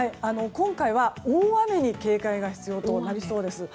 今回は大雨に警戒が必要となりそうです。